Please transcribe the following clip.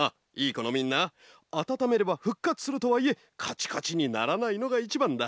このみんなあたためればふっかつするとはいえカチカチにならないのがいちばんだ。